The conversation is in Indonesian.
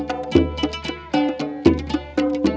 kualitas dan cerita di balik kopi